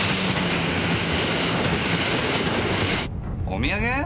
お土産？